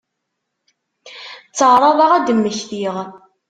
Tteɛraḍeɣ ad d-mmektiɣ.